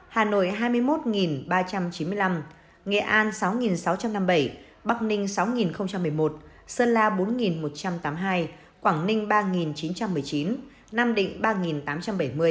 hà nội hai mươi một ba trăm chín mươi năm nghệ an sáu sáu trăm năm mươi bảy bắc ninh sáu một mươi một sơn la bốn một trăm tám mươi hai quảng ninh ba chín trăm một mươi chín nam định ba tám trăm bảy mươi người